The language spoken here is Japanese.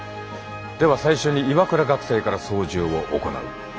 では最初に岩倉学生から操縦を行う。